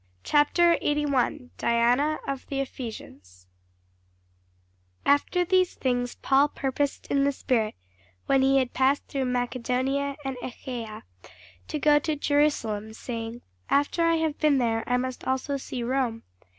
CHAPTER 81 DIANA OF THE EPHESIANS [Sidenote: The Acts 19] AFTER these things Paul purposed in the spirit, when he had passed through Macedonia and Achaia, to go to Jerusalem, saying, After I have been there, I must also see Rome.